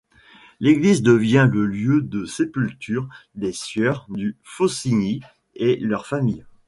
L'église devient le lieu de sépulture des sieurs du Faucigny et leur famille.